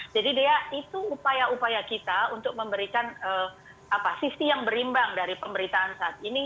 jadi dia itu upaya upaya kita untuk memberikan sisi yang berimbang dari pemberitaan saat ini